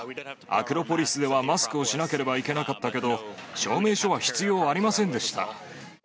アクロポリスではマスクをしなければいけなかったけど、証明書は必要ありませんでした。